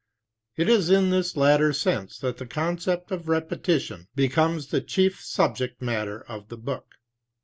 It is in this latter sense that the concept of Repetition becomes the chief subject matter of the book.